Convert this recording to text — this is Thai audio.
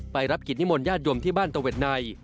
ไปรับกิจนิมนต์ญาติย่อมที่บ้านตะเวทนาย